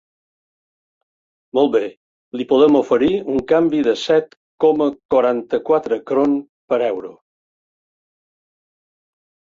Molt bé, li podem oferir un canvi de set coma quaranta-quatre Krone per Euro.